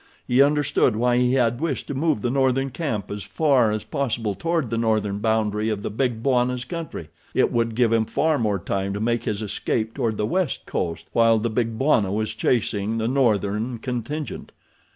He understood why he had wished to move the northern camp as far as possible toward the northern boundary of the Big Bwana's country—it would give him far more time to make his escape toward the West Coast while the Big Bwana was chasing the northern contingent.